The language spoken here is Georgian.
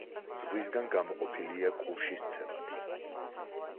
ზღვისგან გამოყოფილია კურშის ცელათი.